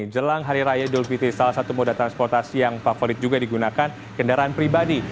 jelang hari raya idul fitri salah satu moda transportasi yang favorit juga digunakan kendaraan pribadi